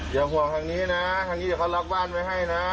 ห่วงทางนี้นะทางนี้เดี๋ยวเขาล็อกบ้านไว้ให้นะ